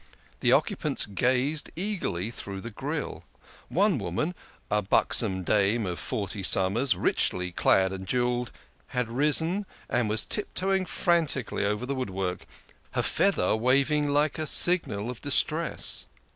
The occupants gazed eagerly through the grille. One woman a buxom dame of forty summers, richly clad and jewelled had risen, and was tiptoeing frantically over the woodwork, her feather waving like a signal of distress.